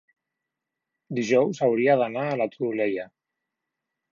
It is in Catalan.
Dijous hauria d'anar a la Todolella.